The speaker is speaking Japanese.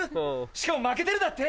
しかも負けてるだって？